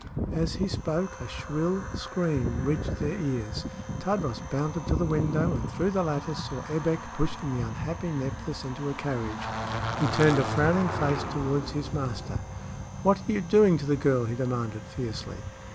As he spoke, a shrill scream reached their ears. Tadros bounded to the window, and through the lattice saw Ebbek pushing the unhappy Nephthys into a carriage. He turned a frowning face toward his master. "What are you doing to the girl?" he demanded, fiercely.